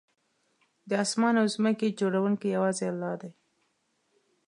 د آسمان او ځمکې جوړونکی یوازې الله دی